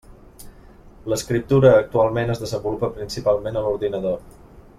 L'escriptura actualment es desenvolupa principalment a l'ordinador.